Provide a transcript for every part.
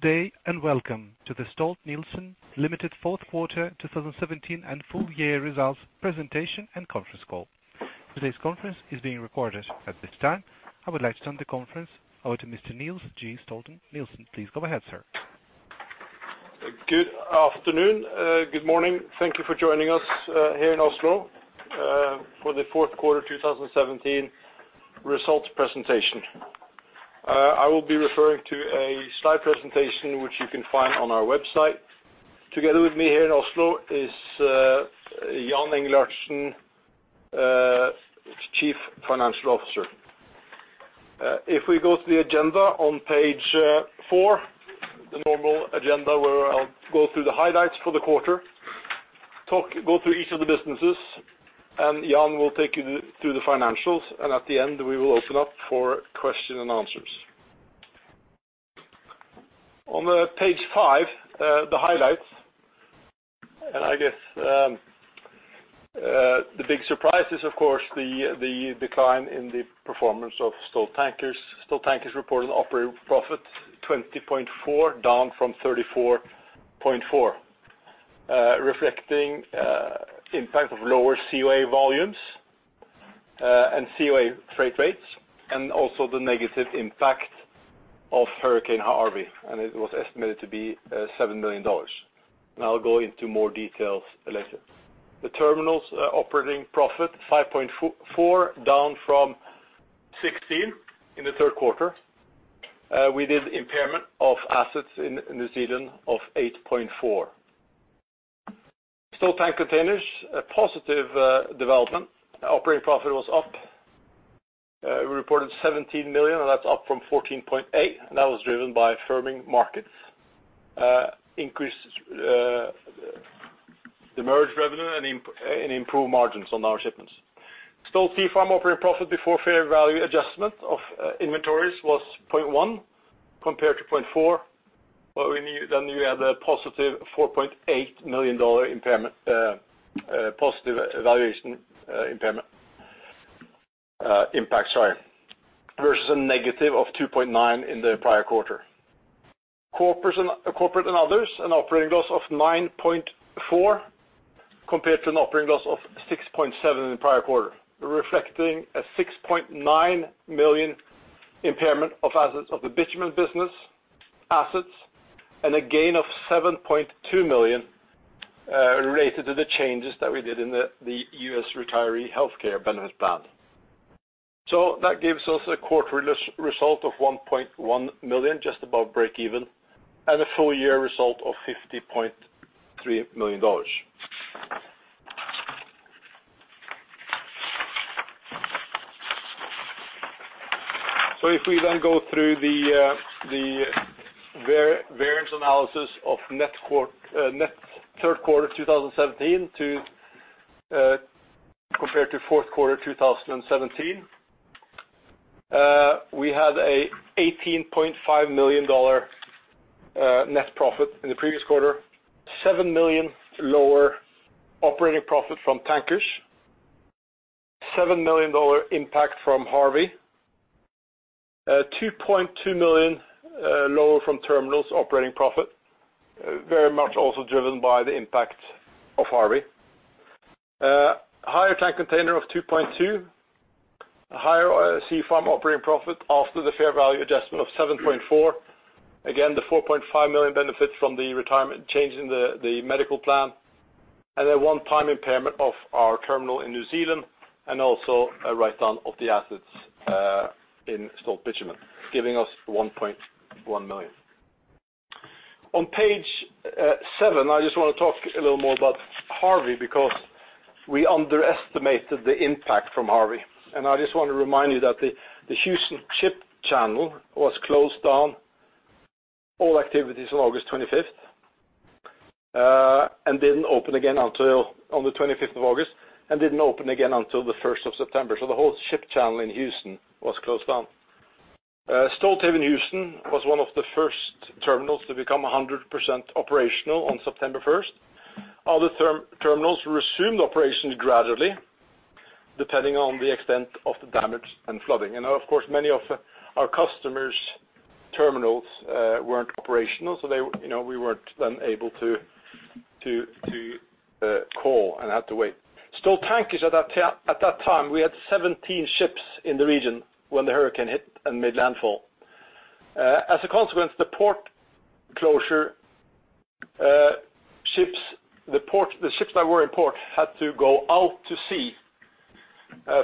Good day and welcome to the Stolt-Nielsen Limited fourth quarter 2017 and full year results presentation and conference call. Today's conference is being recorded at this time. I would like to turn the conference over to Mr. Niels G. Stolt-Nielsen. Please go ahead, sir. Good afternoon. Good morning. Thank you for joining us here in Oslo for the fourth quarter 2017 results presentation. I will be referring to a slide presentation, which you can find on our website. Together with me here in Oslo is Jan Chr. Engelhardtsen, Chief Financial Officer. If we go to the agenda on page four, the normal agenda, where I'll go through the highlights for the quarter, go through each of the businesses, Jan will take you through the financials, and at the end, we will open up for question and answers. On page five, the highlights. I guess the big surprise is, of course, the decline in the performance of Stolt Tankers. Stolt Tankers reported operating profit $20.4, down from $34.4, reflecting impact of lower COA volumes, and COA freight rates, and also the negative impact of Hurricane Harvey, and it was estimated to be $7 million. I'll go into more details later. The Terminals operating profit $5.4, down from $16 in the third quarter. We did impairment of assets in New Zealand of $8.4. Stolt Tank Containers, a positive development. Operating profit was up. We reported $17 million, and that's up from $14.8, and that was driven by firming markets. Increased the merged revenue and improved margins on our shipments. Stolt Sea Farm operating profit before fair value adjustment of inventories was $0.1 compared to $0.4. You had a positive $4.8 million positive valuation impact, versus a negative of $2.9 in the prior quarter. Corporate and others, an operating loss of $9.4, compared to an operating loss of $6.7 in the prior quarter, reflecting a $6.9 million impairment of assets of the bitumen business assets and a gain of $7.2 million related to the changes that we did in the U.S. retiree healthcare benefit plan. That gives us a quarter result of $1.1 million, just above breakeven, and a full year result of $50.3 million. If we then go through the variance analysis of third quarter 2017 compared to fourth quarter 2017. We had a $18.5 million net profit in the previous quarter, $7 million lower operating profit from Tankers, $7 million impact from Harvey, $2.2 million lower from Terminals operating profit, very much also driven by the impact of Harvey. Higher Tank Container of $2.2, a higher Sea Farm operating profit after the fair value adjustment of $7.4. The $4.5 million benefit from the retirement change in the medical plan, a one-time impairment of our terminal in New Zealand, and also a write-down of the assets in Stolt Bitumen, giving us $1.1 million. On page seven, I just want to talk a little more about Harvey because we underestimated the impact from Harvey. I just want to remind you that the Houston Ship Channel was closed down all activities on August 25th, and didn't open again until the 1st of September. The whole ship channel in Houston was closed down. Stolthaven Houston was one of the first terminals to become 100% operational on September 1st. Other terminals resumed operations gradually depending on the extent of the damage and flooding. Of course, many of our customers' terminals weren't operational, so we weren't then able to call and had to wait. Stolt Tankers at that time, we had 17 ships in the region when the hurricane hit and made landfall. As a consequence, the port closure, the ships that were in port had to go out to sea.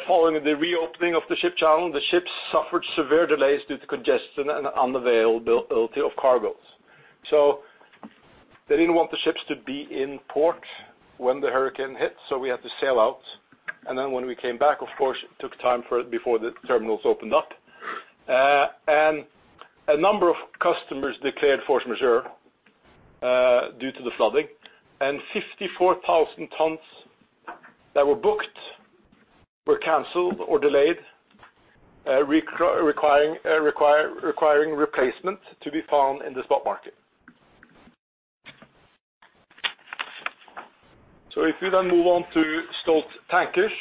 Following the reopening of the ship channel, the ships suffered severe delays due to congestion and unavailability of cargoes. They didn't want the ships to be in port when the hurricane hit, so we had to sail out, and then when we came back, of course, it took time before the terminals opened up. A number of customers declared force majeure due to the flooding, and 54,000 tons that were booked were canceled or delayed, requiring replacement to be found in the spot market. If we then move on to Stolt Tankers.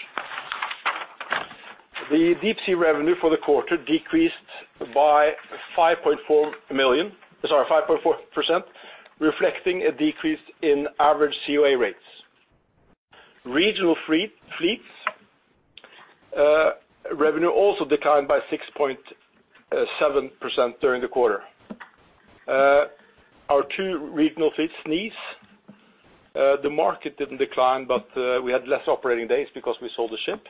The deep-sea revenue for the quarter decreased by 5.4%, reflecting a decrease in average COA rates. Regional fleets revenue also declined by 6.7% during the quarter. Our two regional fleets, NEAS, the market didn't decline, but we had less operating days because we sold the ship.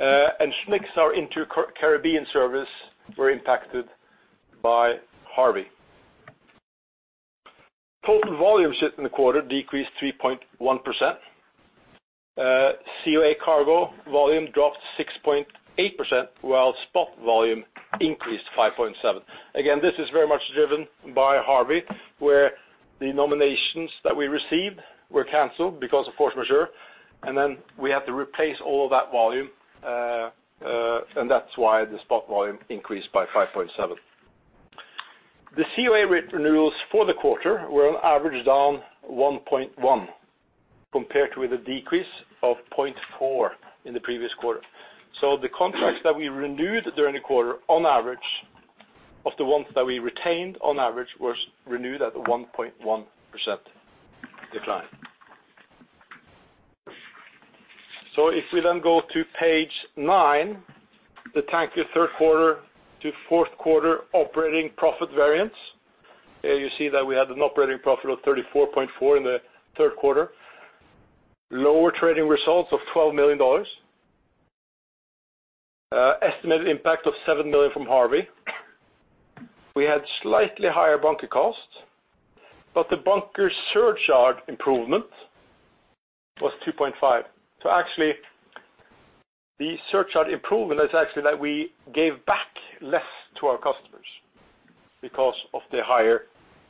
SNICS, our inter-Caribbean service, were impacted by Harvey. Total volume shipped in the quarter decreased 3.1%. COA cargo volume dropped 6.8%, while spot volume increased 5.7%. This is very much driven by Harvey, where the nominations that we received were canceled because of force majeure, and then we had to replace all of that volume, and that's why the spot volume increased by 5.7%. The COA rate renewals for the quarter were on average down 1.1%, compared with a decrease of 0.4% in the previous quarter. The contracts that we renewed during the quarter, on average, of the ones that we retained, on average, were renewed at a 1.1% decline. If we then go to page nine, the Tankers third quarter to fourth quarter operating profit variance. Here you see that we had an operating profit of $34.4 million in the third quarter. Lower trading results of $12 million. Estimated impact of $7 million from Harvey. We had slightly higher bunker costs, but the bunker surcharge improvement was $2.5 million. Actually, the surcharge improvement is actually that we gave back less to our customers because of the higher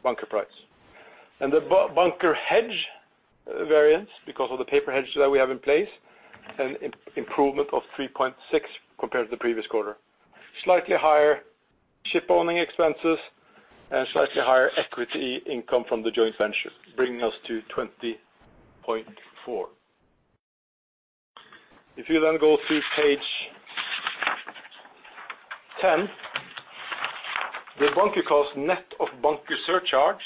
bunker price. The bunker hedge variance, because of the paper hedges that we have in place, an improvement of $3.6 million compared to the previous quarter. Slightly higher ship-owning expenses and slightly higher equity income from the joint venture, bringing us to $20.4 million. If you then go to page 10. The bunker cost net of bunker surcharge,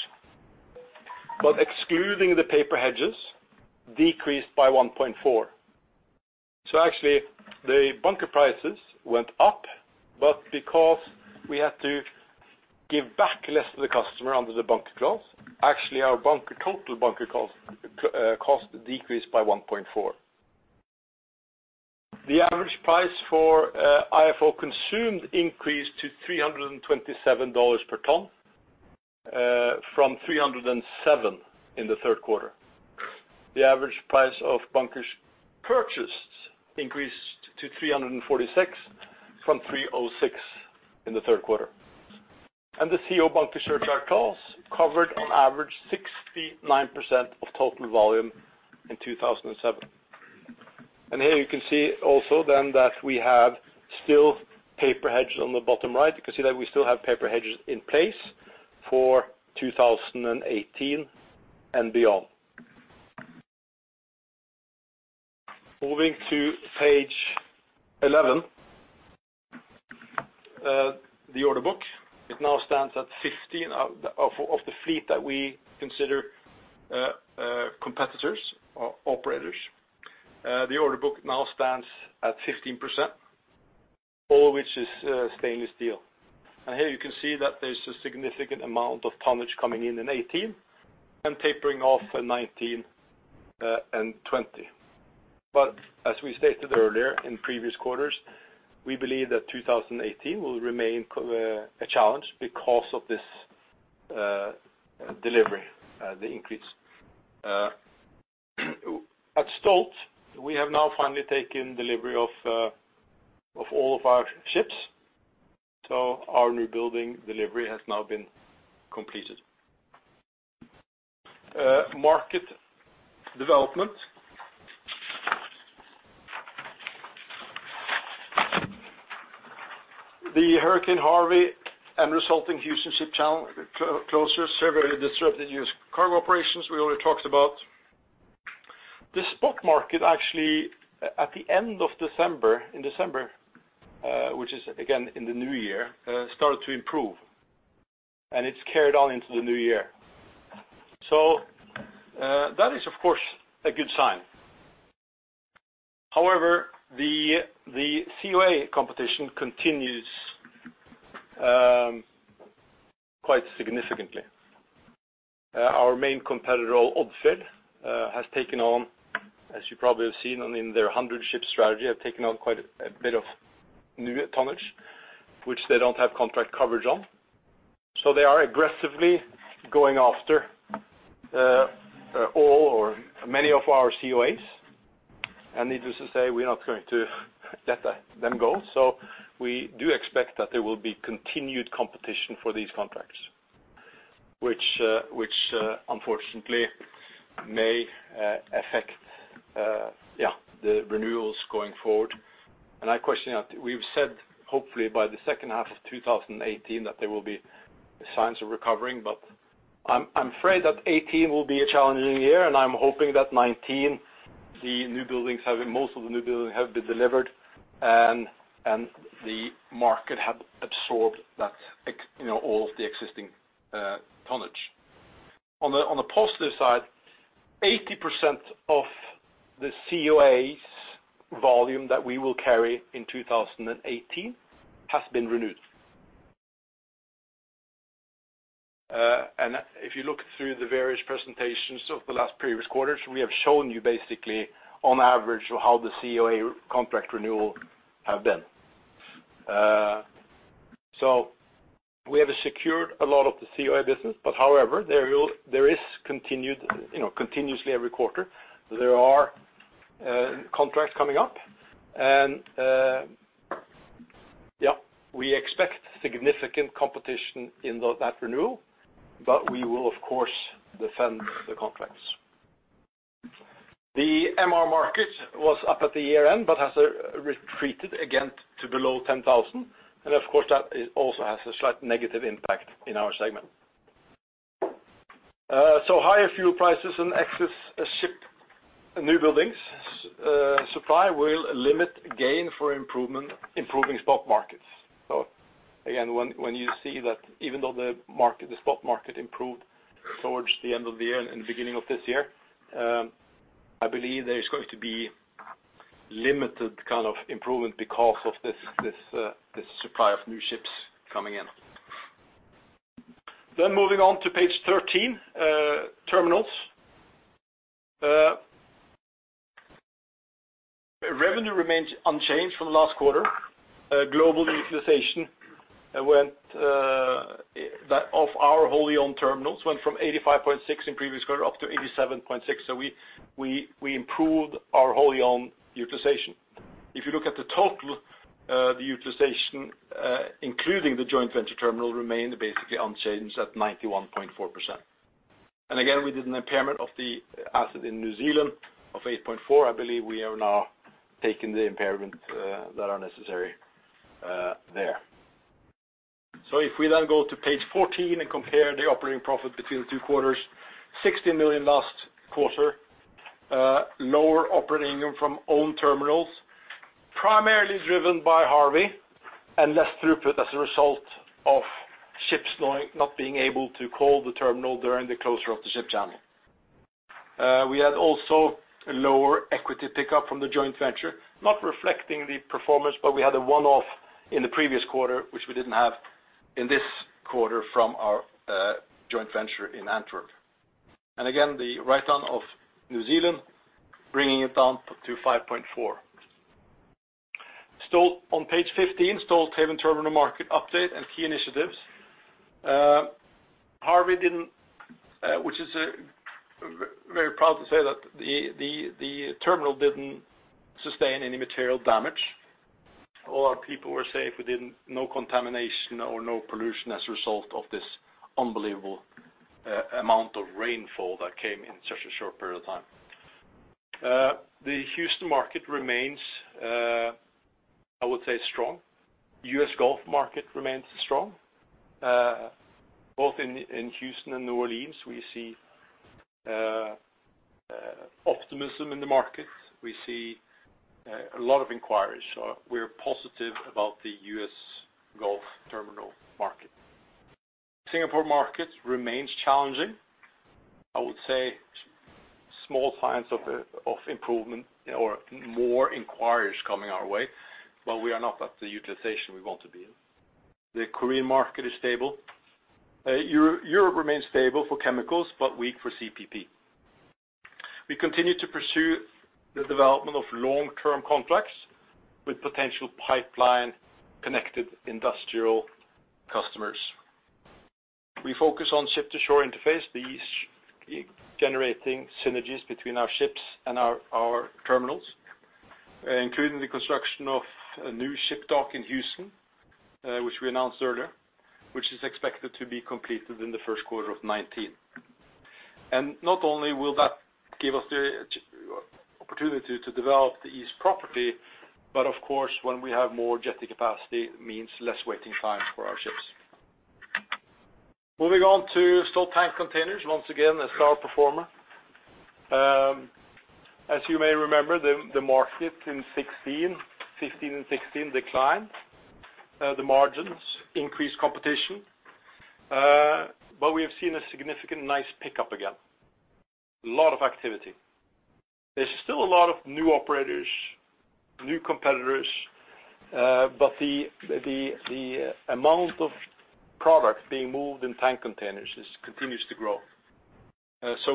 but excluding the paper hedges, decreased by $1.4 million. Actually, the bunker prices went up, but because we had to give back less to the customer under the bunker clause, actually, our total bunker cost decreased by $1.4. The average price for IFO consumed increased to $327 per ton, from $307 in the third quarter. The average price of bunkers purchased increased to $346 from $306 in the third quarter. The COA bunker surcharge clause covered on average 69% of total volume in 2007. Here you can see also that we have still paper hedges on the bottom right. You can see that we still have paper hedges in place for 2018 and beyond. Moving to page 11. The order book. It now stands at 15% of the fleet that we consider competitors or operators. The order book now stands at 15%, all of which is stainless steel. Here you can see that there's a significant amount of tonnage coming in in 2018 and tapering off in 2019 and 2020. As we stated earlier in previous quarters, we believe that 2018 will remain a challenge because of this delivery, the increase. At Stolt, we have now finally taken delivery of all of our ships, so our new building delivery has now been completed. Market development. The Hurricane Harvey and resulting Houston Ship Channel closures severely disrupted U.S. cargo operations, we already talked about. The spot market actually at the end of December, in December, which is again in the new year, started to improve, and it's carried on into the new year. That is, of course, a good sign. However, the COA competition continues quite significantly. Our main competitor, Odfjell, has taken on, as you probably have seen in their 100-ship strategy, have taken on quite a bit of new tonnage, which they don't have contract coverage on. They are aggressively going after all or many of our COAs. Needless to say, we are not going to let them go. We do expect that there will be continued competition for these contracts, which unfortunately may affect our Yeah, the renewals going forward. I question that we've said hopefully by the second half of 2018 that there will be signs of recovering, but I'm afraid that 2018 will be a challenging year, and I'm hoping that 2019, most of the new buildings have been delivered and the market have absorbed all of the existing tonnage. On the positive side, 80% of the COA's volume that we will carry in 2018 has been renewed. If you look through the various presentations of the last previous quarters, we have shown you basically on average how the COA contract renewal have been. We have secured a lot of the COA business, but however, continuously every quarter, there are contracts coming up, and we expect significant competition in that renewal. We will, of course, defend the contracts. The MR market was up at the year-end, but has retreated again to below 10,000. Of course, that also has a slight negative impact in our segment. Higher fuel prices and excess ship new buildings supply will limit gain for improving spot markets. Again, when you see that even though the spot market improved towards the end of the year and beginning of this year, I believe there is going to be limited improvement because of this supply of new ships coming in. Moving on to page 13, terminals. Revenue remains unchanged from last quarter. Global utilization of our wholly owned terminals went from 85.6% in previous quarter up to 87.6%. We improved our wholly owned utilization. If you look at the total, the utilization including the joint venture terminal remained basically unchanged at 91.4%. Again, we did an impairment of the asset in New Zealand of $8.4 million. I believe we have now taken the impairment that are necessary there. If we then go to page 14 and compare the operating profit between the two quarters, $60 million last quarter, lower operating income from owned terminals, primarily driven by Hurricane Harvey and less throughput as a result of ships not being able to call the terminal during the closure of the ship channel. We had also a lower equity pickup from the joint venture, not reflecting the performance, but we had a one-off in the previous quarter, which we didn't have in this quarter from our joint venture in Antwerp. Again, the write-down of New Zealand bringing it down to $5.4 million. On page 15, Stolthaven Terminal market update and key initiatives. Hurricane Harvey, which is very proud to say that the terminal didn't sustain any material damage. All our people were safe. No contamination or no pollution as a result of this unbelievable amount of rainfall that came in such a short period of time. The Houston market remains, I would say, strong. U.S. Gulf market remains strong. Both in Houston and New Orleans, we see optimism in the market. We see a lot of inquiries. We are positive about the U.S. Gulf terminal market. Singapore market remains challenging. I would say small signs of improvement or more inquiries coming our way. We are not at the utilization we want to be in. The Korean market is stable. Europe remains stable for chemicals, but weak for CPP. We continue to pursue the development of long-term contracts with potential pipeline connected industrial customers. We focus on ship-to-shore interface, generating synergies between our ships and our terminals, including the construction of a new ship dock in Houston, which we announced earlier, which is expected to be completed in the first quarter of 2019. Not only will that give us the opportunity to develop the east property, but of course, when we have more jetty capacity, it means less waiting time for our ships. Moving on to Stolt Tank Containers, once again, a star performer. As you may remember, the market in 2015 and 2016 declined. The margins increased competition. We have seen a significant nice pickup again. A lot of activity. There's still a lot of new operators, new competitors, but the amount of product being moved in tank containers continues to grow.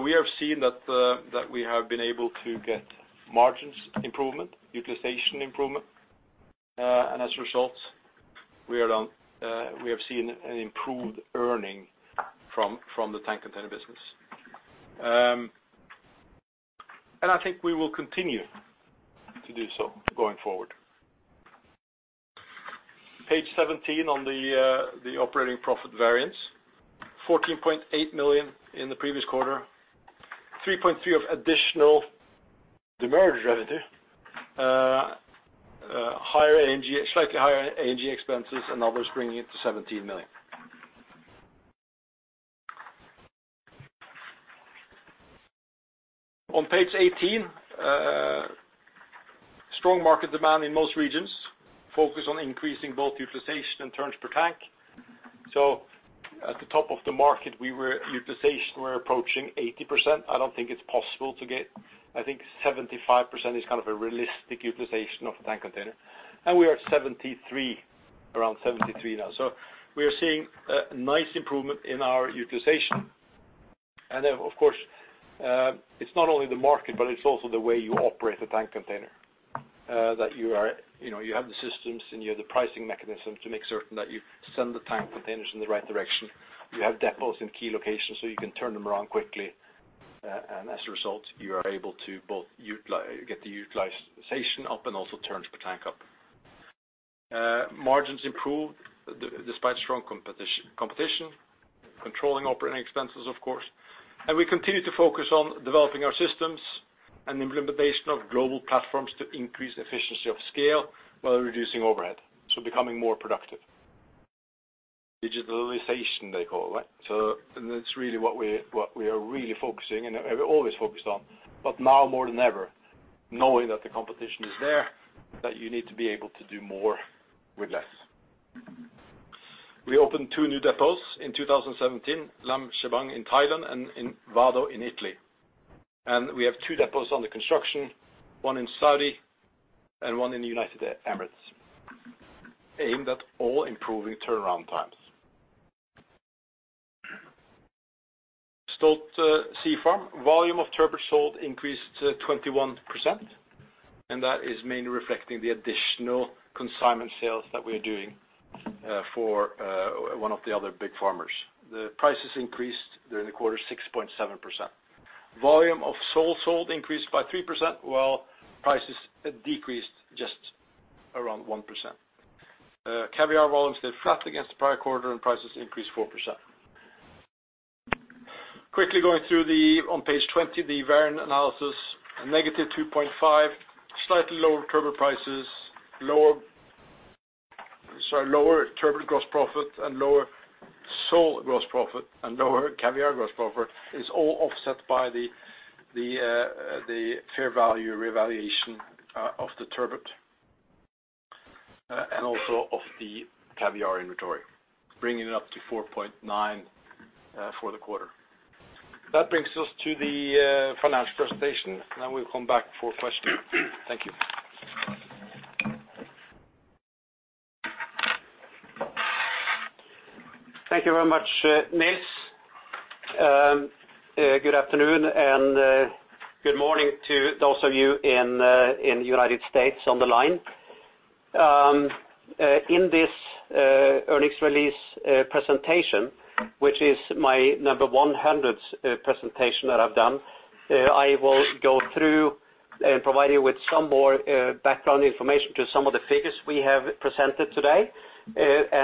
We have seen that we have been able to get margins improvement, utilization improvement. As a result, we have seen an improved earning from the tank container business. I think we will continue to do so going forward. Page 17 on the operating profit variance. $14.8 million in the previous quarter, 3.3 of additional demurrage revenue. Slightly higher A&G expenses and others bringing it to $17 million. On page 18, strong market demand in most regions. Focus on increasing both utilization and turns per tank. At the top of the market, utilization, we're approaching 80%. I think 75% is a realistic utilization of a tank container, and we are around 73% now. We are seeing a nice improvement in our utilization. Then, of course, it's not only the market, but it's also the way you operate the tank container. That you have the systems and you have the pricing mechanisms to make certain that you send the tank containers in the right direction. You have depots in key locations, so you can turn them around quickly. As a result, you are able to both get the utilization up and also turns per tank up. Margins improved despite strong competition. Controlling operating expenses, of course. We continue to focus on developing our systems and implementation of global platforms to increase efficiency of scale while reducing overhead, so becoming more productive. Digitalization, they call it. That's what we are really focusing and have always focused on. Now more than ever, knowing that the competition is there, that you need to be able to do more with less. We opened two new depots in 2017, Laem Chabang in Thailand and in Vado in Italy. We have two depots under construction, one in Saudi and one in United Emirates, aimed at all improving turnaround times. Stolt Sea Farm. Volume of turbot sold increased to 21%, that is mainly reflecting the additional consignment sales that we are doing for one of the other big farmers. The prices increased during the quarter 6.7%. Volume of sole sold increased by 3%, while prices decreased just around 1%. Caviar volume stayed flat against the prior quarter, prices increased 4%. Quickly going through on page 20, the variance analysis, a negative $2.5, slightly lower turbot prices, lower turbot gross profit, lower sole gross profit, lower caviar gross profit is all offset by the fair value revaluation of the turbot and also of the caviar inventory, bringing it up to $4.9 for the quarter. That brings us to the financial presentation. We'll come back for questions. Thank you. Thank you very much, Niels. Good afternoon and good morning to those of you in U.S. on the line. In this earnings release presentation, which is my number 100 presentation that I've done, I will go through and provide you with some more background information to some of the figures we have presented today.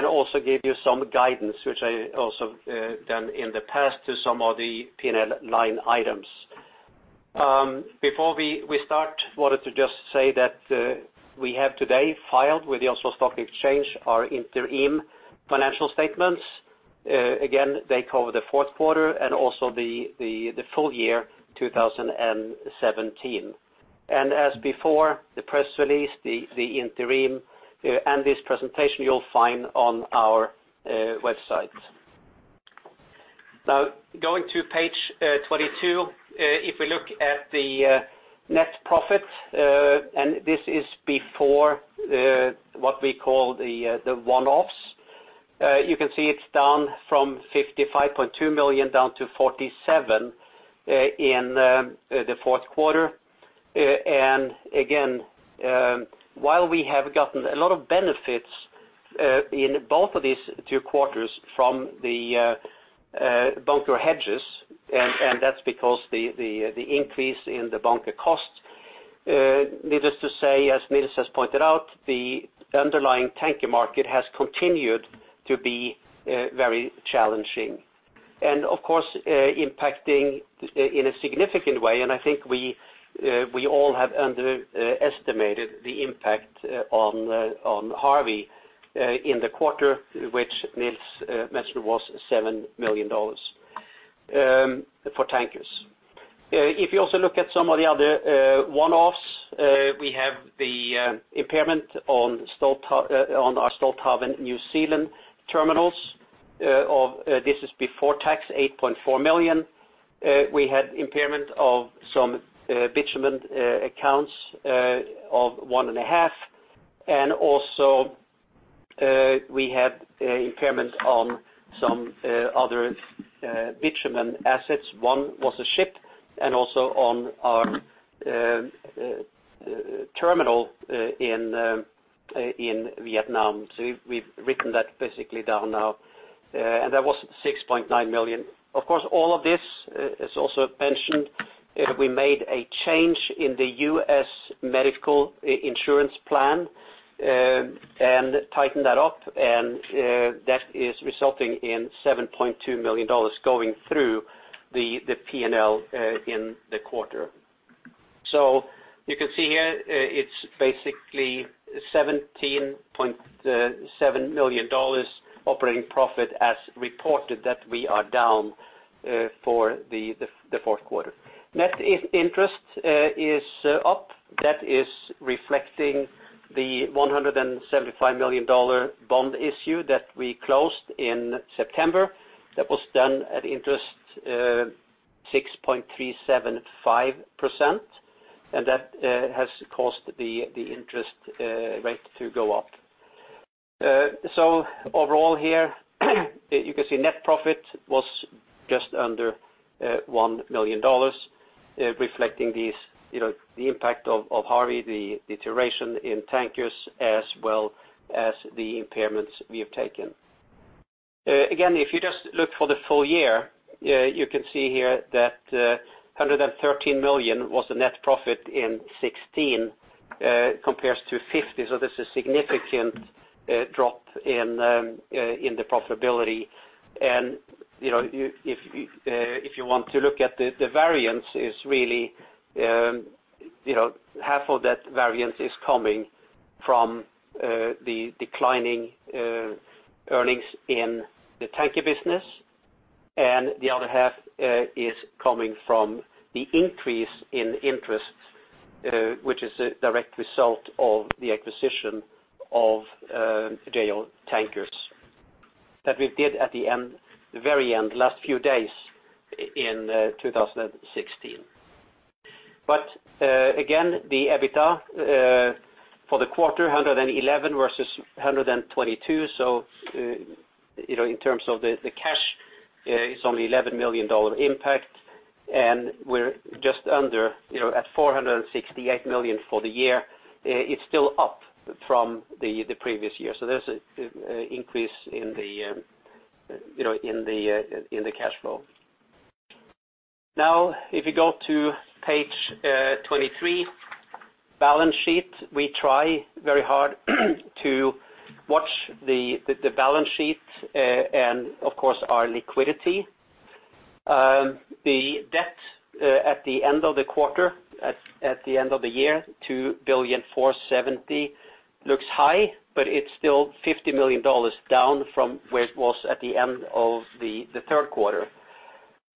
Also give you some guidance, which I also have done in the past to some of the P&L line items. Before we start, wanted to just say that we have today filed with the Oslo Stock Exchange our interim financial statements. Again, they cover the fourth quarter and also the full year 2017. As before, the press release, the interim, and this presentation you'll find on our website. Going to page 22. If we look at the net profit, and this is before what we call the one-offs. You can see it's down from $55.2 million down to $47 million in the fourth quarter. Again, while we have gotten a lot of benefits in both of these two quarters from the bunker hedges, and that's because the increase in the bunker cost. Needless to say, as Niels has pointed out, the underlying tanker market has continued to be very challenging. Of course, impacting in a significant way, and I think we all have underestimated the impact on Harvey in the quarter, which Niels mentioned was $7 million for tankers. If you also look at some of the other one-offs, we have the impairment on our Stolthaven New Zealand terminals, this is before tax, $8.4 million. We had impairment of some bitumen accounts of $1.5 million, also we had impairment on some other bitumen assets. One was a ship and also on our terminal in Vietnam. We've written that basically down now. That was $6.9 million. Of course, all of this is also mentioned. We made a change in the U.S. medical insurance plan and tightened that up, that is resulting in $7.2 million going through the P&L in the quarter. You can see here, it's basically $17.7 million operating profit as reported that we are down for the fourth quarter. Net interest is up. That is reflecting the $175 million bond issue that we closed in September. That was done at interest 6.375%, and that has caused the interest rate to go up. Overall here, you can see net profit was just under $1 million, reflecting the impact of Harvey, the deterioration in tankers as well as the impairments we have taken. Again, if you just look for the full year, you can see here that $113 million was the net profit in 2016 compares to $50 million, this is a significant drop in the profitability. If you want to look at the variance, half of that variance is coming from the declining earnings in the tanker business, and the other half is coming from the increase in interest, which is a direct result of the acquisition of Jo Tankers that we did at the very end, last few days in 2016. Again, the EBITDA for the quarter, $111 million versus $122 million. In terms of the cash, it's only $11 million impact, and we're just under at $468 million for the year. It's still up from the previous year. There's an increase in the cash flow. If you go to page 23, balance sheet, we try very hard to watch the balance sheet and, of course, our liquidity. The debt at the end of the quarter, at the end of the year, $2.47 billion looks high, but it's still $50 million down from where it was at the end of the third quarter.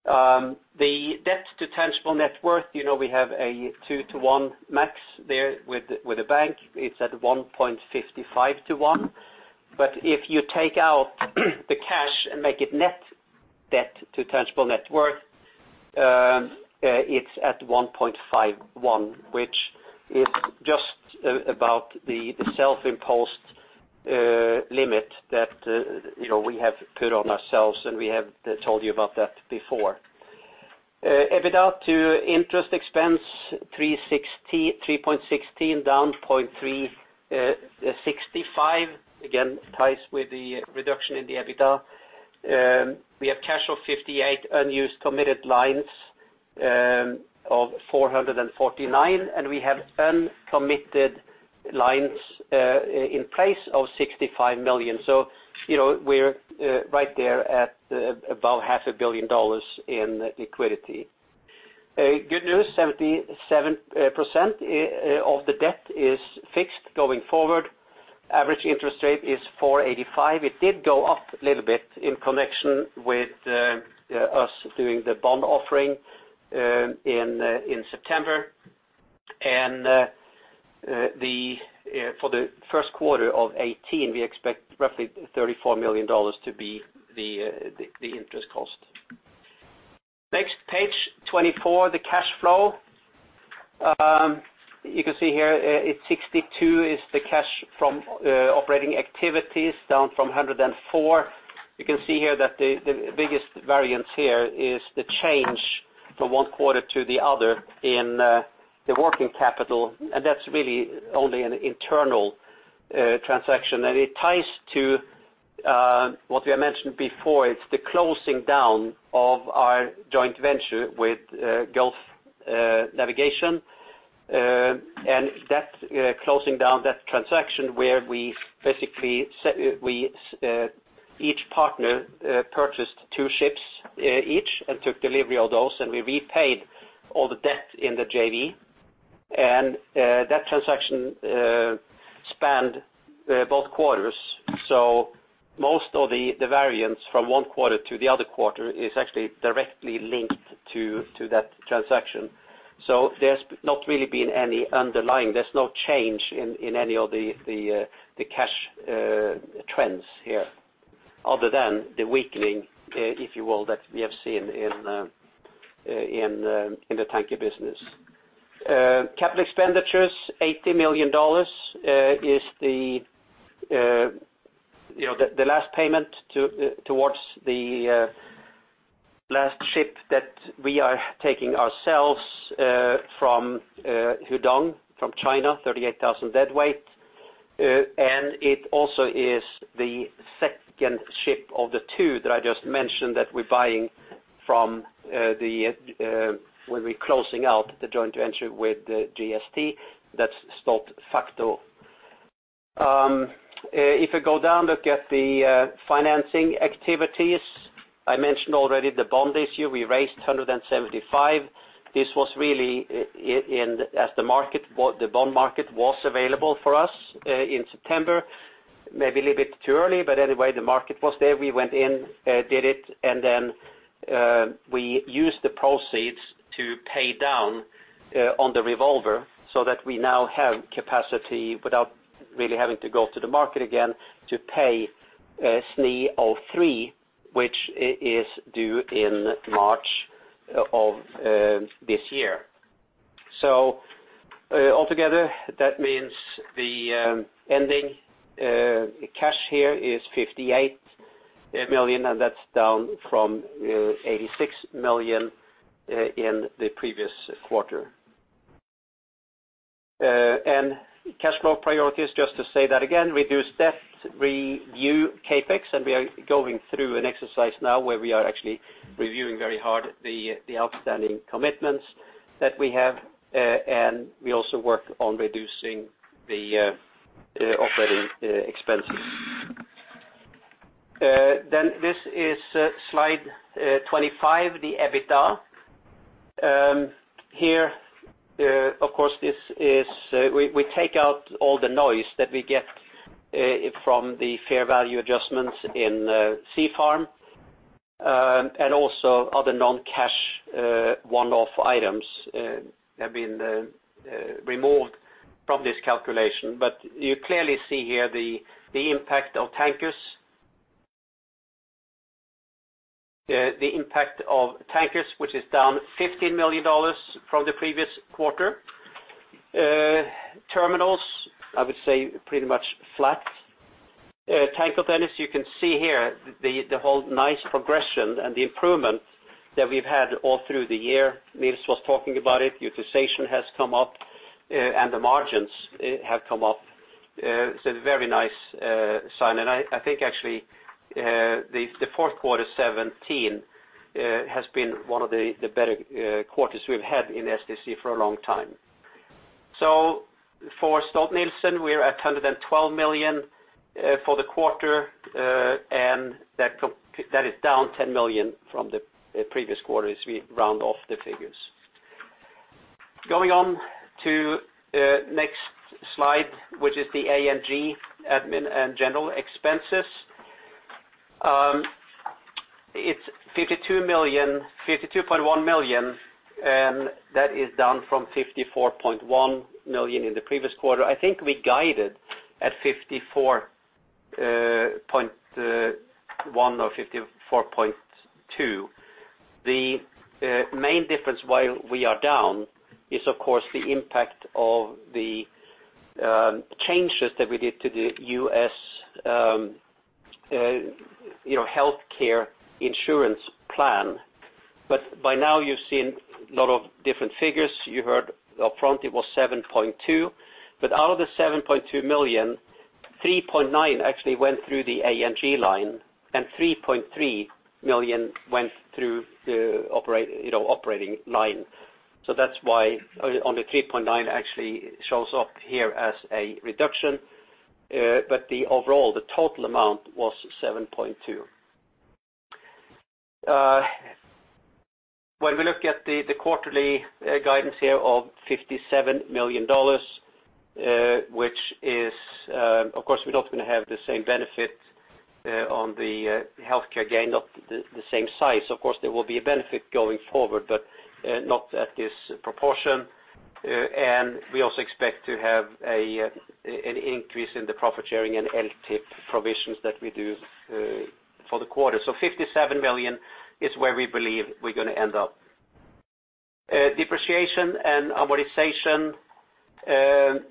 The debt to tangible net worth, we have a 2-to-1 max there with the bank. It's at 1.55 to 1. If you take out the cash and make it net debt to tangible net worth, it's at 1.51, which is just about the self-imposed limit that we have put on ourselves, and we have told you about that before. EBITDA to interest expense, 3.16 down 0.365, again, ties with the reduction in the EBITDA. We have cash of $58 million, unused committed lines of $449 million, and we have uncommitted lines in place of $65 million. We're right there at about half a billion dollars in liquidity. Good news, 77% of the debt is fixed going forward. Average interest rate is 4.85%. It did go up a little bit in connection with us doing the bond offering in September. For the first quarter of 2018, we expect roughly $34 million to be the interest cost. Next, page 24, the cash flow. You can see here, $62 million is the cash from operating activities, down from $104 million. You can see here that the biggest variance here is the change from one quarter to the other in the working capital, and that's really only an internal transaction. It ties to what we have mentioned before. It's the closing down of our joint venture with Gulf Navigation. That's closing down that transaction where each partner purchased two ships each and took delivery of those, and we repaid all the debt in the JV. That transaction spanned both quarters. Most of the variance from one quarter to the other quarter is actually directly linked to that transaction. There's not really been any underlying, there's no change in any of the cash trends here other than the weakening, if you will, that we have seen in the tanker business. Capital expenditures, $80 million, is the last payment towards the last ship that we are taking ourselves from Hudong, from China, 38,000 deadweight. It also is the second ship of the two that I just mentioned that we're buying from when we're closing out the joint venture with GST, that's Stolt Factor. If you go down, look at the financing activities. I mentioned already the bond issue, we raised $275 million. This was really as the bond market was available for us in September, maybe a little bit too early, but anyway, the market was there. We went in, did it, and we used the proceeds to pay down on the revolver so that we now have capacity without really having to go to the market again to pay SNE 03, which is due in March of this year. Altogether, that means the ending cash here is $58 million, and that's down from $86 million in the previous quarter. Cash flow priorities, just to say that again, reduce debt, review CapEx, and we are going through an exercise now where we are actually reviewing very hard the outstanding commitments that we have. We also work on reducing the operating expenses. This is slide 25, the EBITDA. Here, of course, we take out all the noise that we get from the fair value adjustments in Stolt Sea Farm. Also other non-cash one-off items have been removed from this calculation. You clearly see here the impact of tankers, which is down $15 million from the previous quarter. Terminals, I would say pretty much flat. Stolt Tank Containers, you can see here the whole nice progression and the improvement that we've had all through the year. Niels was talking about it. Utilization has come up, and the margins have come up. It's a very nice sign, and I think actually, the fourth quarter 2017 has been one of the better quarters we've had in STC for a long time. For Stolt-Nielsen, we're at $212 million for the quarter, and that is down $10 million from the previous quarter as we round off the figures. Going on to next slide, which is the A&G, General and Administrative expenses. It's $52.1 million, and that is down from $54.1 million in the previous quarter. I think we guided at $54.1 or $54.2. The main difference why we are down is, of course, the impact of the changes that we did to the U.S. healthcare insurance plan. But by now you've seen a lot of different figures. You heard up front it was $7.2 million, but out of the $7.2 million, $3.9 million actually went through the A&G line and $3.3 million went through the operating line. That's why only $3.9 million actually shows up here as a reduction. The overall, the total amount was $7.2 million. When we look at the quarterly guidance here of $57 million, which is, of course, we're not going to have the same benefit on the healthcare gain, not the same size. Of course, there will be a benefit going forward, but not at this proportion. We also expect to have an increase in the profit-sharing and LTIP provisions that we do for the quarter. $57 million is where we believe we're going to end up. Depreciation and amortization,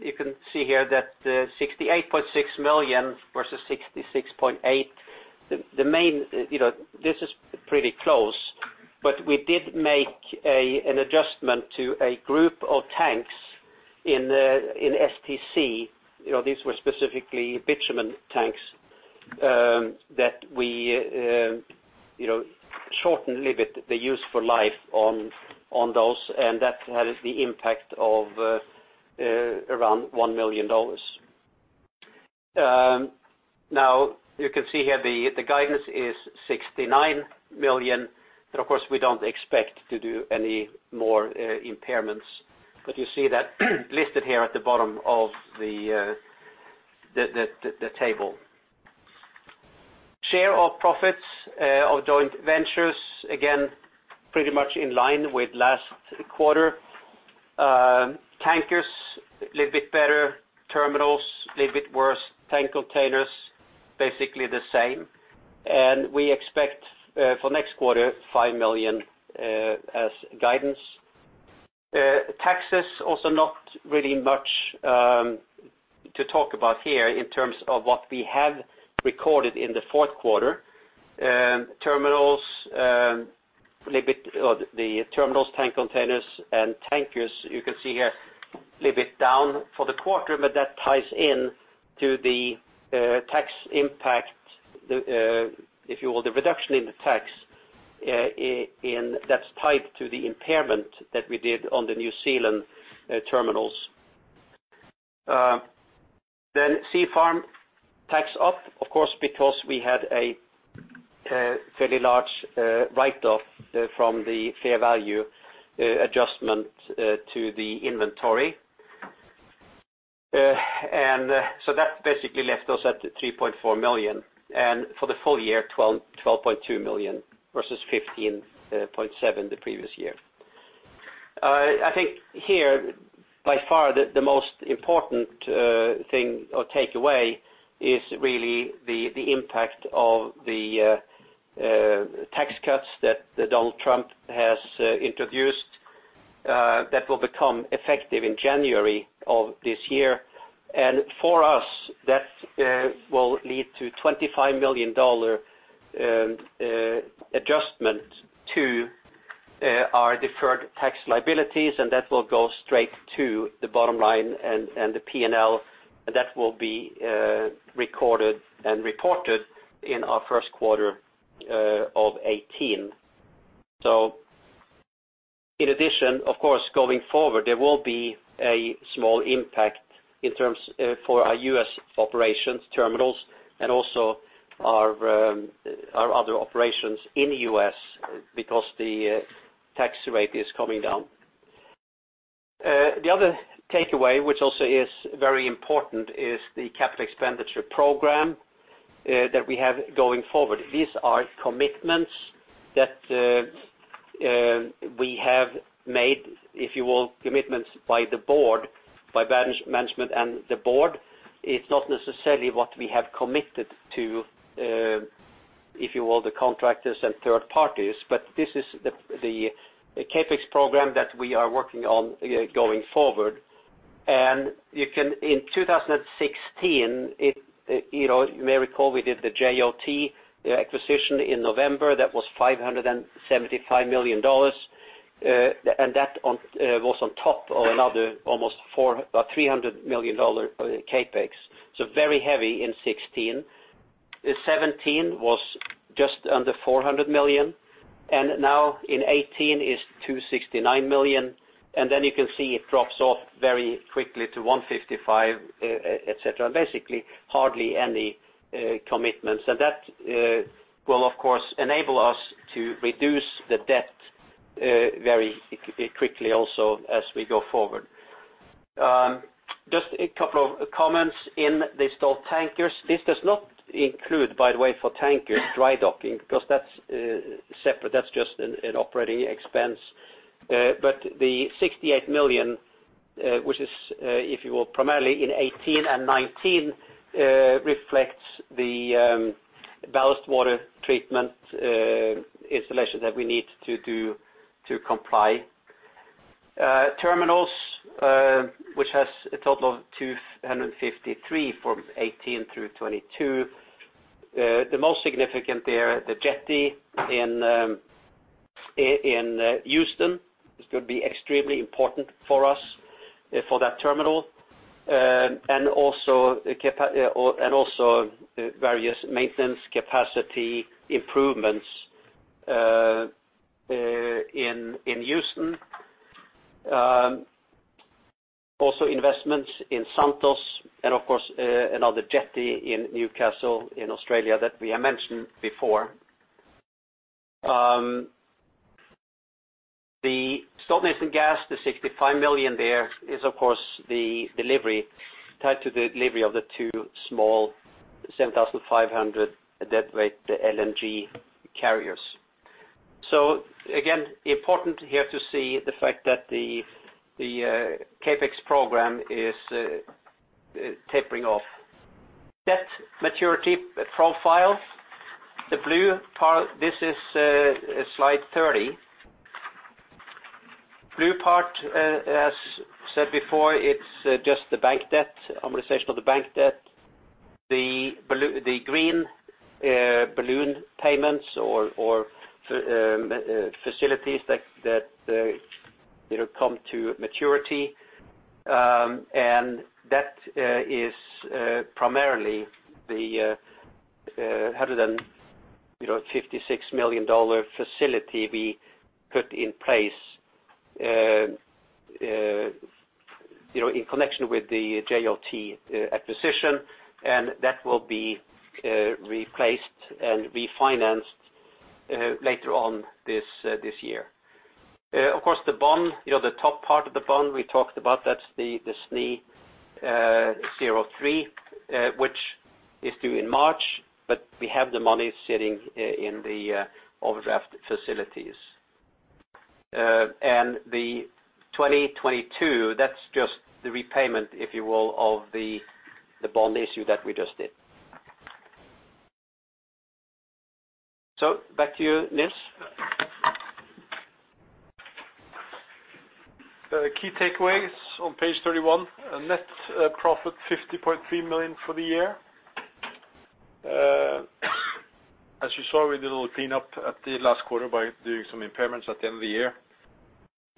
you can see here that $68.6 million versus $66.8 million. This is pretty close, but we did make an adjustment to a group of tanks in STC. These were specifically bitumen tanks that we shortened a little bit the useful life on those, and that had the impact of around $1 million. You can see here the guidance is $69 million, but of course we don't expect to do any more impairments. You see that listed here at the bottom of the table. Share of profits of joint ventures, again, pretty much in line with last quarter. Stolt Tankers a little bit better, Stolthaven Terminals a little bit worse, Stolt Tank Containers basically the same. We expect for next quarter $5 million as guidance. Taxes, also not really much to talk about here in terms of what we have recorded in the fourth quarter. Stolthaven Terminals, Stolt Tank Containers, and Stolt Tankers, you can see here, a little bit down for the quarter, but that ties in to the tax impact, if you will, the reduction in the tax, and that's tied to the impairment that we did on the Stolthaven New Zealand. Stolt Sea Farm, tax up, of course, because we had a fairly large write-off from the fair value adjustment to the inventory. That basically left us at $3.4 million. For the full year, $12.2 million versus $15.7 million the previous year. I think here, by far, the most important thing or takeaway is really the impact of the tax cuts that Donald Trump has introduced that will become effective in January of this year. For us, that will lead to $25 million adjustment to our deferred tax liabilities, and that will go straight to the bottom line and the P&L, that will be recorded and reported in our first quarter of 2018. In addition, of course, going forward, there will be a small impact for our U.S. operations terminals and also our other operations in the U.S. because the tax rate is coming down. The other takeaway, which also is very important, is the capital expenditure program that we have going forward. These are commitments that we have made, if you will, commitments by the board, by management and the board. It's not necessarily what we have committed to, if you will, the contractors and third parties. This is the CapEx program that we are working on going forward. In 2016, you may recall we did the JOT acquisition in November, that was $575 million, and that was on top of another almost $300 million CapEx. Very heavy in 2016. 2017 was just under $400 million, and now in 2018, it's $269 million, and then you can see it drops off very quickly to $155 million, et cetera. Basically, hardly any commitments. That will, of course, enable us to reduce the debt very quickly also as we go forward. Just a couple of comments in the Stolt Tankers. This does not include, by the way, for tankers, dry docking, because that's separate. That's just an operating expense. The $68 million, which is, if you will, primarily in 2018 and 2019 reflects the ballast water treatment installation that we need to do to comply. Terminals, which has a total of $253 million from 2018 through 2022. The most significant there, the jetty in Houston is going to be extremely important for us for that terminal. Also various maintenance capacity improvements in Houston. Also investments in Santos and of course, another jetty in Newcastle in Australia that we have mentioned before. The Stolt-Nielsen Gas, the $65 million there is, of course, tied to the delivery of the two small 7,500 deadweight LNG carriers. Again, important here to see the fact that the CapEx program is tapering off. Debt maturity profile. This is slide 30. Blue part, as said before, it's just the bank debt, amortization of the bank debt. The green balloon payments or facilities that come to maturity. That is primarily the $156 million facility we put in place in connection with the JOT acquisition, and that will be replaced and refinanced later on this year. Of course, the bond, the top part of the bond we talked about, that's the SNE 03 which is due in March, we have the money sitting in the overdraft facilities. The 2022, that's just the repayment, if you will, of the bond issue that we just did. Back to you, Niels. The key takeaways on page 31, net profit $50.3 million for the year. As you saw, we did a little cleanup at the last quarter by doing some impairments at the end of the year.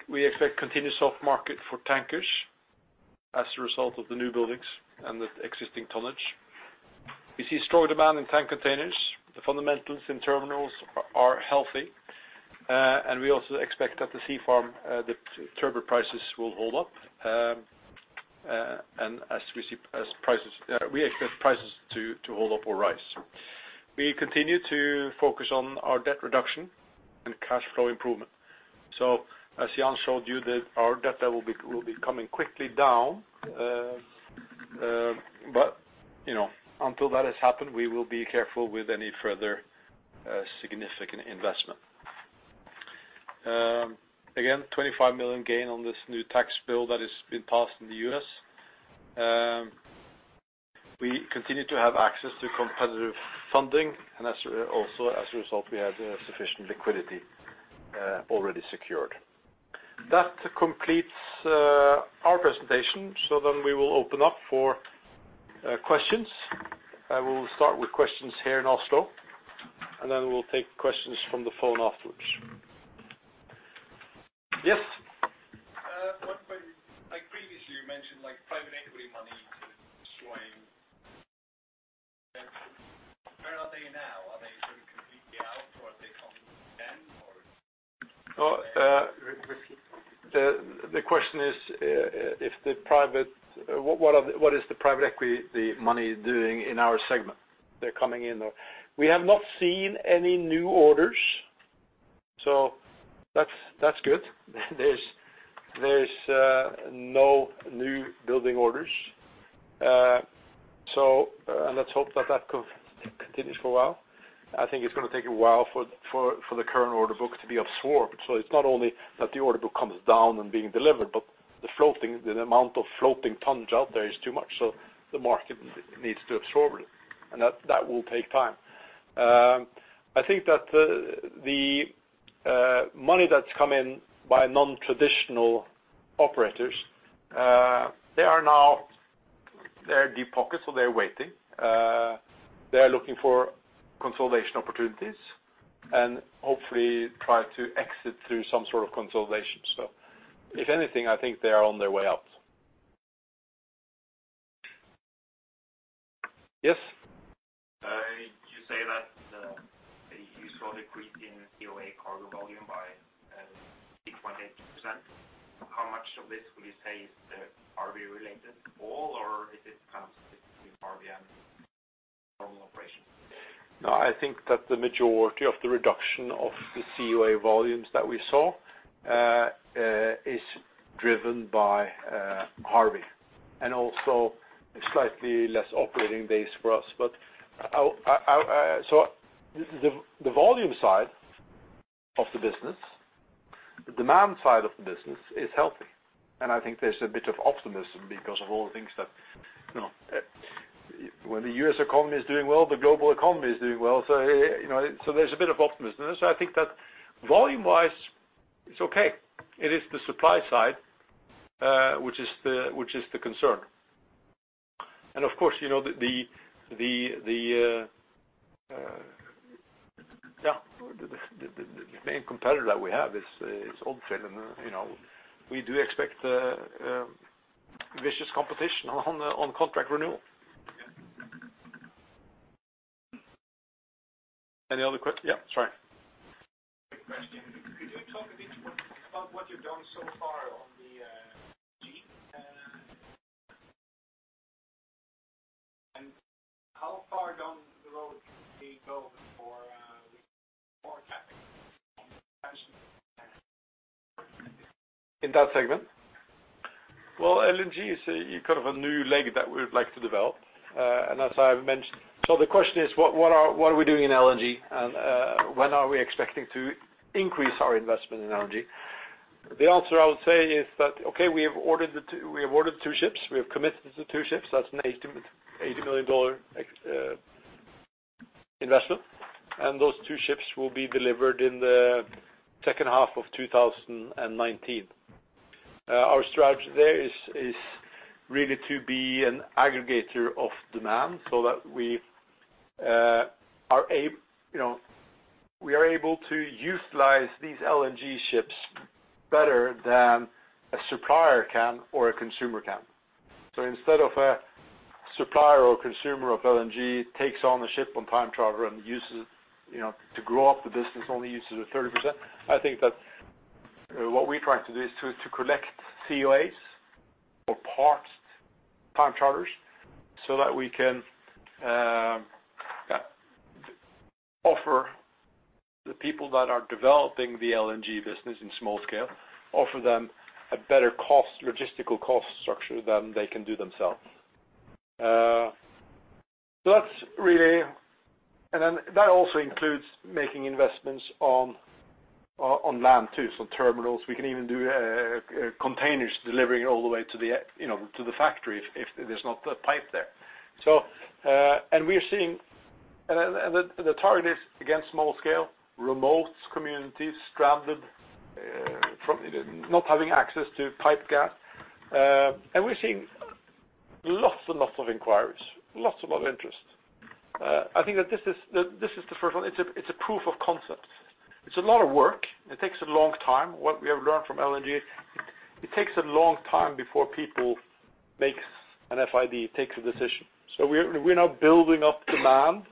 We expect continued soft market for tankers as a result of the new buildings and the existing tonnage. We see strong demand in tank containers. The fundamentals in terminals are healthy. We also expect that the Stolt Sea Farm, the turbot prices will hold up. We expect prices to hold up or rise. We continue to focus on our debt reduction and cash flow improvement. As Jan showed you, our debt will be coming quickly down. Until that has happened, we will be careful with any further significant investment. Again, $25 million gain on this new tax bill that has been passed in the U.S. We continue to have access to competitive funding and also as a result, we have sufficient liquidity already secured. That completes our presentation. We will open up for questions. I will start with questions here in Oslo, and then we'll take questions from the phone afterwards. Yes. One point. Like previously, you mentioned private equity money destroying. Where are they now? Are they sort of completely out, or are they coming in again or? The question is, what is the private equity money doing in our segment? They're coming in. We have not seen any new orders, so that's good. There's no new building orders. Let's hope that that continues for a while. I think it's going to take a while for the current order book to be absorbed. It's not only that the order book comes down and being delivered, but the amount of floating tonnage out there is too much, so the market needs to absorb it, and that will take time. I think that the money that's come in by non-traditional operators, they are deep pockets, so they're waiting. They are looking for consolidation opportunities and hopefully try to exit through some sort of consolidation. If anything, I think they are on their way out. Yes. You say that you saw a decrease in COA cargo volume by 6.8%. How much of this would you say is Harvey related? All or is it kind of Harvey and normal operation? No, I think that the majority of the reduction of the COA volumes that we saw is driven by Harvey and also a slightly less operating base for us. The volume side of the business, the demand side of the business is healthy. I think there's a bit of optimism because of all the things that When the U.S. economy is doing well, the global economy is doing well. There's a bit of optimism. I think that volume wise, it's okay. It is the supply side which is the concern. Of course, the main competitor that we have is Odfjell. We do expect vicious competition on contract renewal. Yeah, sorry. Quick question. Could you talk a bit about what you've done so far on the LNG? How far down the road can we go before attacking In that segment? Well, LNG is kind of a new leg that we would like to develop. The question is, what are we doing in LNG and when are we expecting to increase our investment in LNG? The answer I would say is that, okay, we have ordered two ships. We have committed to two ships. That's an $80 million investment, and those two ships will be delivered in the second half of 2019. Our strategy there is really to be an aggregator of demand so that we are able to utilize these LNG ships better than a supplier can or a consumer can. Instead of a supplier or consumer of LNG takes on the ship on time charter and uses it to grow up the business, only uses 30%. I think that what we try to do is to collect COAs or parked time charters so that we can offer the people that are developing the LNG business in small scale, offer them a better logistical cost structure than they can do themselves. That also includes making investments on land too. Terminals, we can even do containers delivering all the way to the factory if there's not a pipe there. The target is, again, small scale, remote communities stranded from not having access to pipe gas. We're seeing lots and lots of inquiries, lots of interest. I think that this is the first one. It's a proof of concept. It's a lot of work. It takes a long time. What we have learned from LNG, it takes a long time before people make an FID, takes a decision. We are now building up demand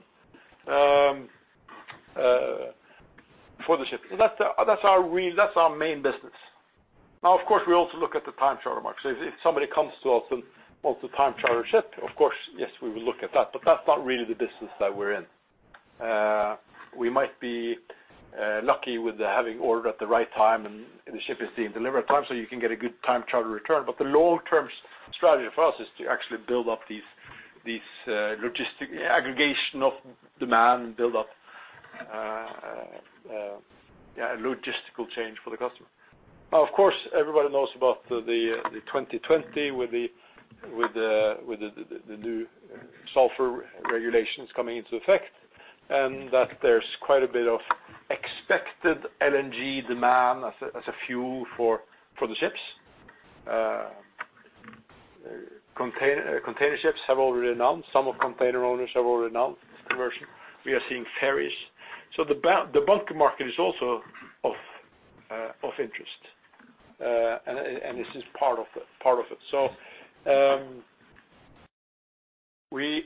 for the ship. That's our main business. Now, of course, we also look at the time charter market. If somebody comes to us and wants to time charter a ship, of course, yes, we will look at that, but that's not really the business that we're in. We might be lucky with having ordered at the right time, and the ship is being delivered on time, so you can get a good time charter return. The long-term strategy for us is to actually build up these logistic aggregation of demand and build up a logistical change for the customer. Of course, everybody knows about the 2020 with the new sulfur regulations coming into effect, and that there's quite a bit of expected LNG demand as a fuel for the ships. Container ships have already announced, some of container owners have already announced conversion. We are seeing ferries. The bunker market is also of interest. This is part of it.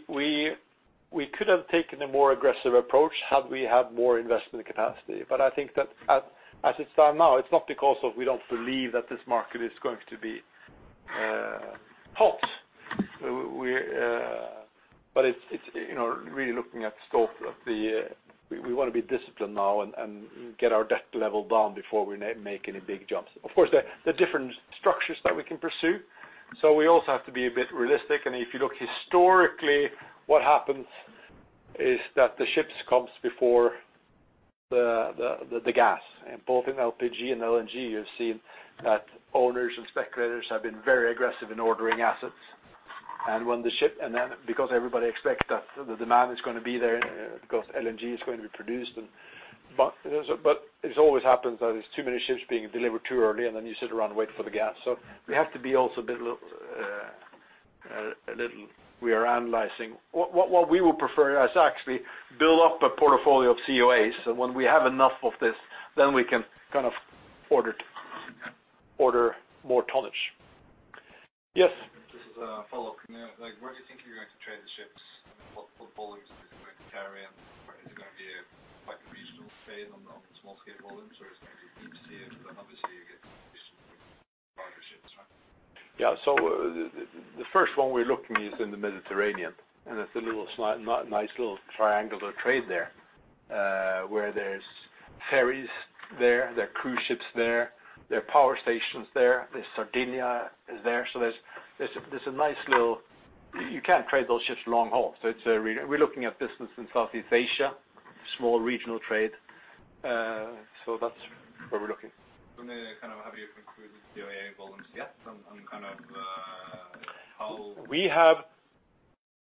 We could have taken a more aggressive approach had we had more investment capacity. I think that as it stand now, it's not because of we don't believe that this market is going to be hot. It's really looking at the scope of We want to be disciplined now and get our debt level down before we make any big jumps. Of course, there are different structures that we can pursue, so we also have to be a bit realistic. If you look historically, what happens is that the ships comes before the gas. Both in LPG and LNG, you've seen that owners and speculators have been very aggressive in ordering assets. Because everybody expects that the demand is going to be there because LNG is going to be produced, but it always happens that there's too many ships being delivered too early, and then you sit around and wait for the gas. We have to be also a bit We are analyzing. What we would prefer is actually build up a portfolio of COAs. When we have enough of this, then we can order more tonnage. Yes. This is a follow-up. Where do you think you're going to trade the ships? I mean, what volumes are you going to carry? Is it going to be a quite regional trade on the small scale volumes, or it's going to be deep sea? Then obviously you get larger ships, right? Yeah. The first one we're looking is in the Mediterranean, It's a nice little triangular trade there, where there's ferries there are cruise ships there are power stations there's Sardinia is there. There's a nice little You can't trade those ships long haul. We're looking at business in Southeast Asia, small regional trade. That's where we're looking. Have you concluded the COA volumes yet? We have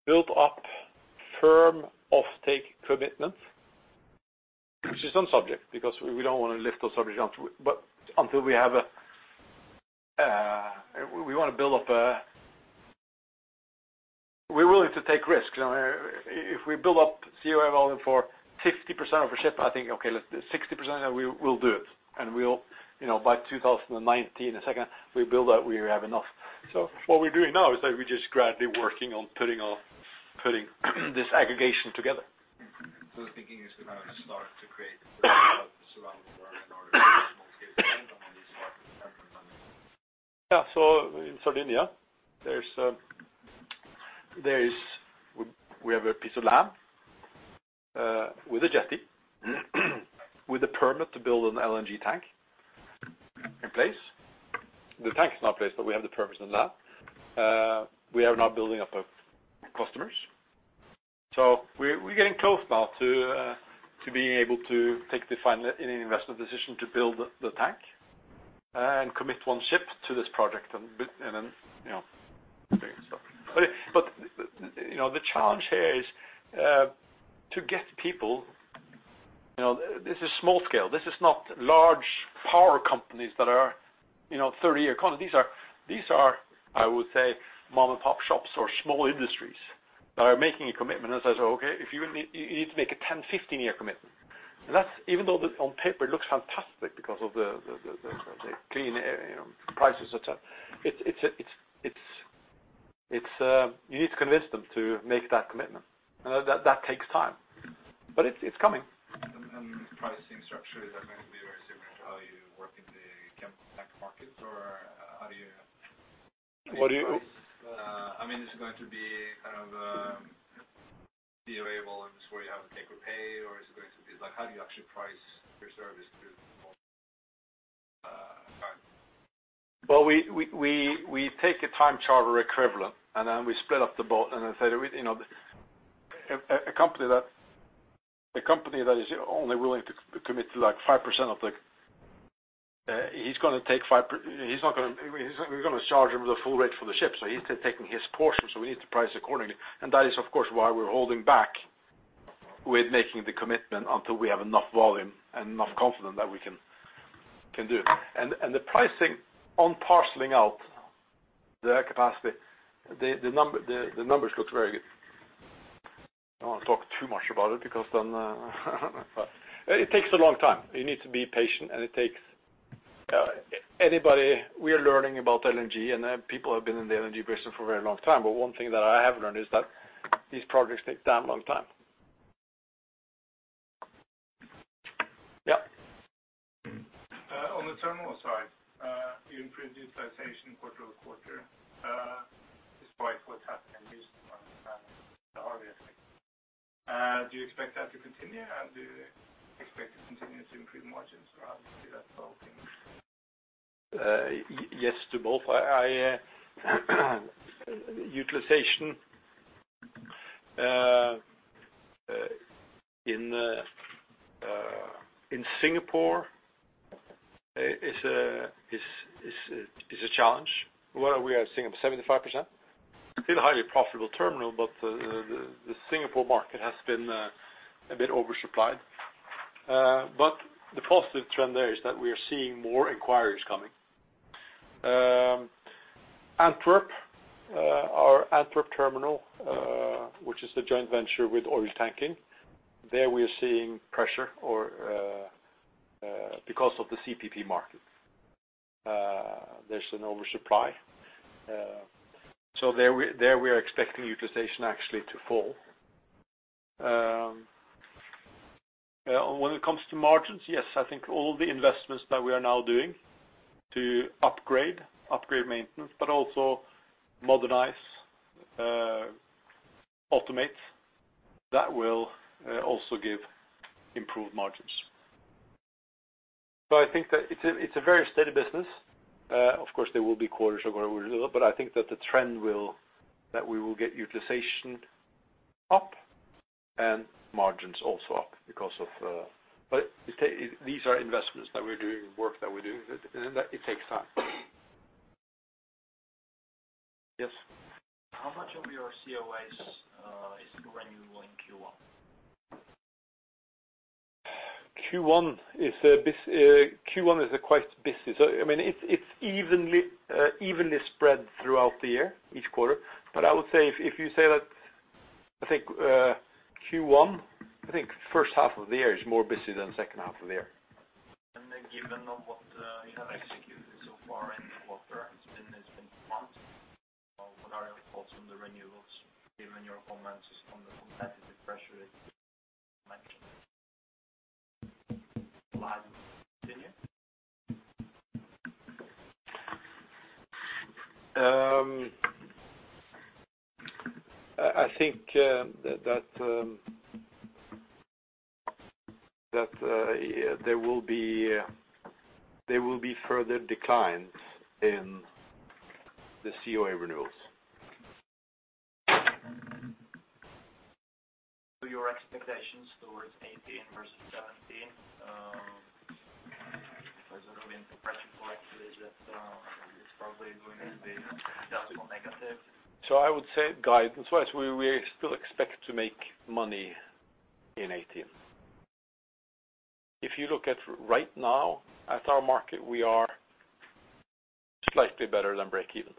built up firm off-take commitment, which is on subject because we don't want to lift those subjects until we have a. We're willing to take risks. If we build up COA volume for 50% of a ship, I think, okay, let's do 60%, We'll do it. By 2019, the second we build that, we have enough. What we're doing now is that we're just gradually working on putting this aggregation together. The thinking is to kind of start to create around the world in order to small scale. Yeah. In Sardinia, we have a piece of land with a jetty, with a permit to build an LNG tank in place. The tank is not placed, but we have the permits for that. We are now building up our customers. We're getting close now to being able to take the final investment decision to build the tank and commit one ship to this project, and then bring stock. The challenge here is to get people. This is small scale. This is not large power companies that are 30 year con. These are, I would say, mom and pop shops or small industries that are making a commitment. I say, "Okay, you need to make a 10, 15 year commitment." Even though on paper it looks fantastic because of the clean prices et cetera, you need to convince them to make that commitment. That takes time, but it's coming. Pricing structure, is that going to be very similar to how you work in the chemical tank market? Or how do you- What do you? I mean, is it going to be kind of the volumes where you have a take or pay, or is it going to be like, how do you actually price your service? Well, we take a time charter equivalent, and then we split up the boat and then say, a company that is only willing to commit to 5%, he's going to take 5%. We're going to charge him the full rate for the ship, so he's taking his portion, so we need to price accordingly. That is, of course, why we're holding back with making the commitment until we have enough volume and enough confidence that we can do. The pricing on parceling out the capacity, the numbers look very good. I don't want to talk too much about it. It takes a long time. You need to be patient and it takes anybody. We are learning about LNG, and people have been in the LNG business for a very long time. One thing that I have learned is that these projects take damn long time. Yep. On the terminal side, you improved utilization quarter-over-quarter, despite what happened in Houston and the Harvey. Do you expect that to continue? Do you expect to continue to improve margins throughout the whole thing? Yes to both. Utilization in Singapore is a challenge, where we are seeing 75%. Still a highly profitable terminal, but the Singapore market has been a bit oversupplied. The positive trend there is that we are seeing more inquiries coming. Antwerp, our Antwerp terminal, which is the joint venture with Oiltanking. There we are seeing pressure because of the CPP market. There's an oversupply. We are expecting utilization actually to fall. When it comes to margins, yes, I think all the investments that we are now doing to upgrade maintenance, but also modernize automate, that will also give improved margins. I think that it's a very steady business. Of course, there will be quarters. I think that the trend will, that we will get utilization up and margins also up. These are investments that we're doing, work that we're doing, and it takes time. Yes. How much of your COAs is renewable in Q1? Q1 is quite busy. It's evenly spread throughout the year, each quarter. I would say if you say that, I think Q1, first half of the year is more busy than second half of the year. Given on what you have executed so far in the quarter, it's been flat. What are your thoughts on the renewals, given your comments on the competitive pressure that you mentioned, will that continue? I think that there will be further declines in the COA renewals. To your expectations towards 2018 versus 2017, because everybody interpretation correctly that it's probably going to be doubtful negative. I would say guidance wise, we still expect to make money in 2018. If you look at right now at our market, we are slightly better than breakeven.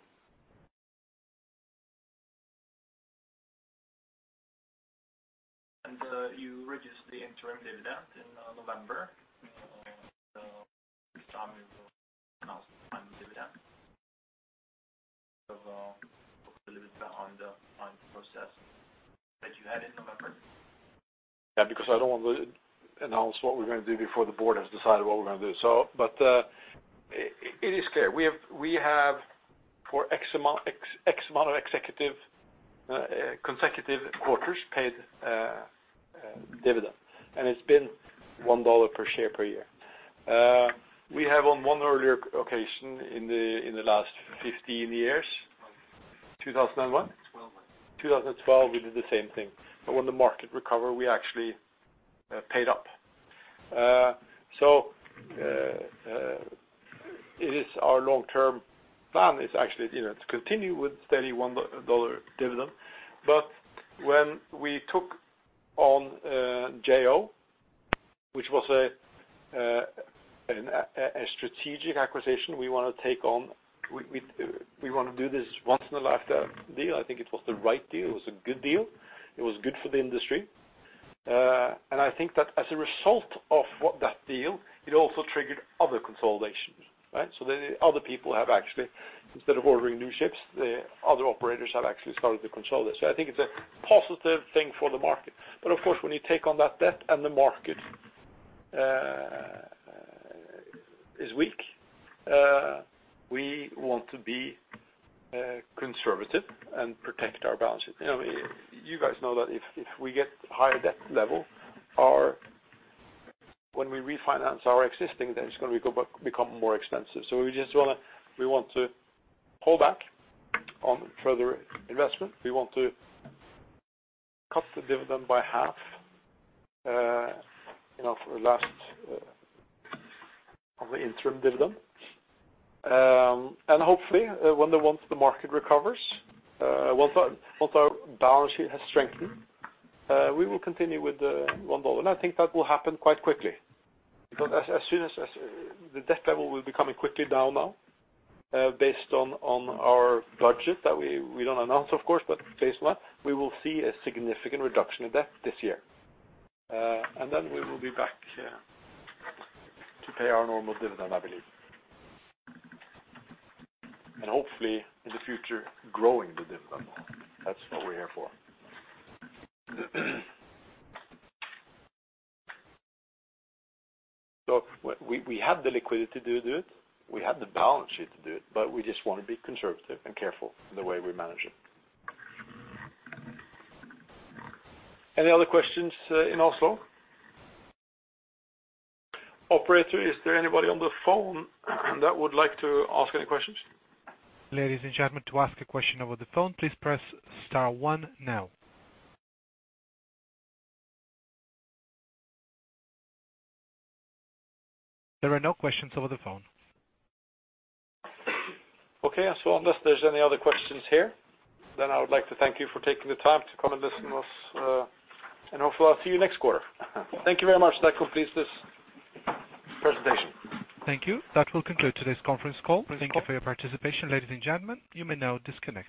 You reduced the interim dividend in November. This time you will announce the final dividend of a little bit behind the final process that you had in November. I don't want to announce what we're going to do before the board has decided what we're going to do. It is clear, we have for X amount of consecutive quarters paid dividend, and it's been $1 per share per year. We have on one earlier occasion in the last 15 years. 2001? 2012, I think. 2012, we did the same thing. When the market recovered, we actually paid up. It is our long-term plan is actually to continue with steady $1 dividend. When we took on JO, which was a strategic acquisition, we want to do this once in a lifetime deal. I think it was the right deal. It was a good deal. It was good for the industry. I think that as a result of that deal, it also triggered other consolidations. Right. Other people have actually, instead of ordering new ships, the other operators have actually started to consolidate. I think it's a positive thing for the market. Of course, when you take on that debt and the market is weak, we want to be conservative and protect our balance sheet. You guys know that if we get higher debt level, when we refinance our existing debt, it's going to become more expensive. We just want to hold back on further investment. We want to cut the dividend by half for the last of the interim dividend. Hopefully once the market recovers, once our balance sheet has strengthened, we will continue with the $1, I think that will happen quite quickly. As soon as the debt level will be coming quickly down now, based on our budget that we don't announce, of course, but based on that, we will see a significant reduction in debt this year. Then we will be back to pay our normal dividend, I believe. Hopefully in the future, growing the dividend. That's what we're here for. We have the liquidity to do it, we have the balance sheet to do it, we just want to be conservative and careful in the way we manage it. Any other questions in Oslo? Operator, is there anybody on the phone that would like to ask any questions? Ladies and gentlemen, to ask a question over the phone, please press star one now. There are no questions over the phone. Okay. Unless there's any other questions here, I would like to thank you for taking the time to come and listen to us, hopefully I'll see you next quarter. Thank you very much. That completes this presentation. Thank you. That will conclude today's conference call. Thank you. Thank you for your participation, ladies and gentlemen. You may now disconnect.